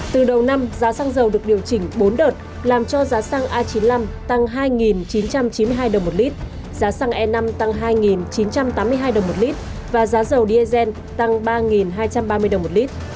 từ đầu năm giá xăng dầu được điều chỉnh bốn đợt làm cho giá xăng a chín mươi năm tăng hai chín trăm chín mươi hai đồng một lít giá xăng e năm tăng hai chín trăm tám mươi hai đồng một lít và giá dầu diesel tăng ba hai trăm ba mươi đồng một lít